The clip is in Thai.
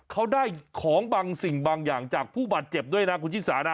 เขาได้ของบางสิ่งบางอย่างจากผู้บาดเจ็บด้วยนะคุณชิสานะ